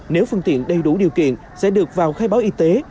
nếu phương tiện đầy đủ điều kiện sẽ được vào khai báo y tế